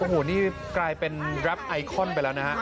โอ้โหนี่กลายเป็นแรปไอคอนไปแล้วนะฮะ